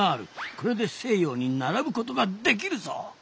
これで西洋に並ぶことができるぞ。